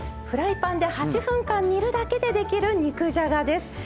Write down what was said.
フライパンで８分間煮るだけでできる肉じゃがです。